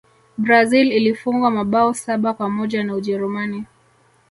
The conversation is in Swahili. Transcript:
brazil ilifungwa mabao saba kwa moja na ujerumani